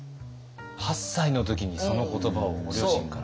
８歳の時にその言葉をご両親から。